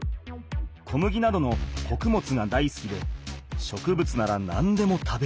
小麦などのこくもつがだいすきで植物なら何でも食べる。